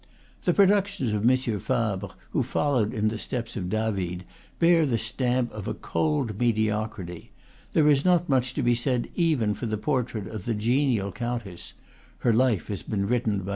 The productions of M. Fabre, who followed in the steps of David, bear the stamp of a cold me diocrity; there is not much to be said even for the portrait of the genial countess (her life has been written by M.